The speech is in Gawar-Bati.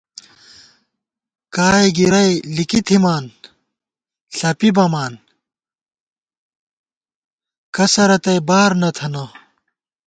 کائے گِرَئی لِکی تھِمان ݪَپی بَمان ، کسہ رتئ بار نہ تھنہ